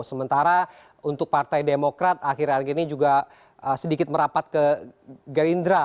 sementara untuk partai demokrat akhir akhir ini juga sedikit merapat ke gerindra